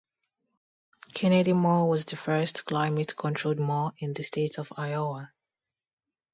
Kennedy Mall was the first climate controlled mall in the state of Iowa.